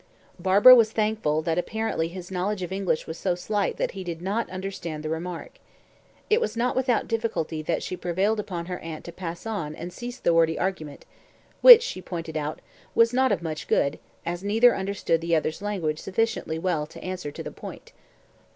Barbara was thankful that apparently his knowledge of English was so slight that he did not understand the remark. It was not without difficulty that she prevailed upon her aunt to pass on and cease the wordy argument, which, she pointed out, was not of much good, as neither understood the other's language sufficiently well to answer to the point.